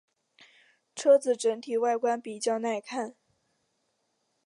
车子整体外观比较耐看。